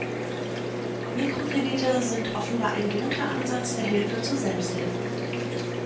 Mikrokredite sind offenbar ein guter Ansatz der Hilfe zur Selbsthilfe.